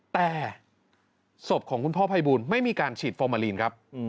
แต่ศพของคุณพ่อภัยบูลไม่มีการฉีดฟอร์มาลีนครับ